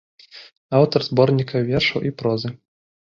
Аўтар зборніка вершаў і прозы.